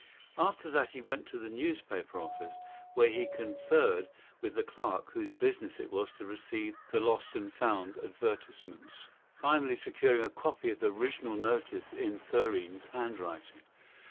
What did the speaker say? After that he went to the newspaper office, where he conferred with the clerk whose business it was to receive the lost and found advertisements, finally securing a copy of the original notice in Thurene's handwriting.